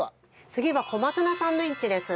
次は小松菜サンドウィッチです。